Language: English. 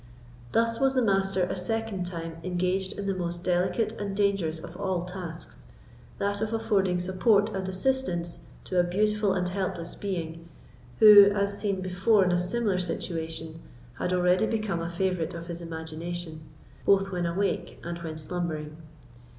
Thus was the Master a second time engaged in the most delicate and dangerous of all tasks, that of affording support and assistance to a beautiful and helpless being, who, as seen before in a similar situation, had already become a favourite of his imagination, both when awake and when slumbering.